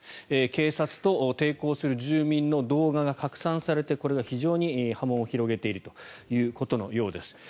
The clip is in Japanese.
警察と抵抗する住民の動画が拡散されてこれが非常に波紋を広げているということです。